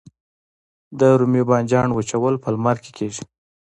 د رومي بانجان وچول په لمر کې کیږي؟